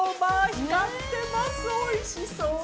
光ってます、おいしそうね。